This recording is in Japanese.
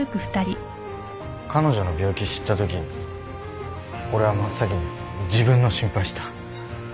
彼女の病気知ったとき俺は真っ先に自分の心配した。